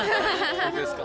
本当ですか。